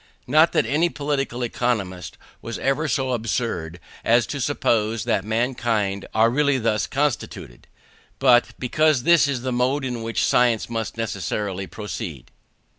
Not that any political economist was ever so absurd as to suppose that mankind are really thus constituted, but because this is the mode in which science must necessarily proceed.